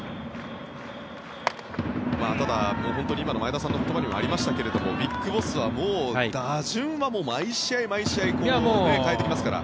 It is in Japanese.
ただ、今の前田さんの言葉にもありましたがＢＩＧＢＯＳＳはもう打順は毎試合毎試合変えてきますから。